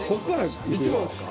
１問ですか？